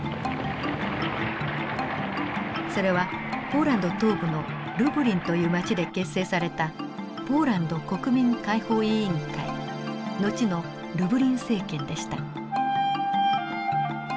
それはポーランド東部のルブリンという町で結成されたポーランド国民解放委員会後のルブリン政権でした。